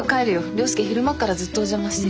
涼介昼間っからずっとお邪魔してるし。